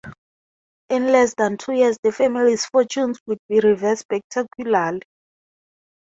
In less than two years the family's fortunes would be reversed spectacularly.